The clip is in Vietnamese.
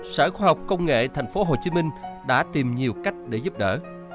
sở khoa học công nghệ tp hcm đã tìm nhiều cách để giúp đỡ